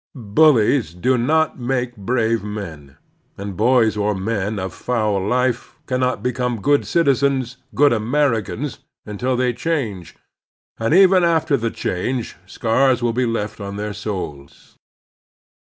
Bullies do not make brave men; and boys or men of foul life cannot become good citizens, good Americans, imtil they change ; and even after the change scars will be left on their souls.